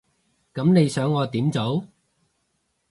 噉你想我點做？